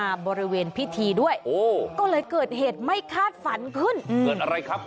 บริเวณพิธีด้วยโอ้ก็เลยเกิดเหตุไม่คาดฝันขึ้นอืมเกิดอะไรครับ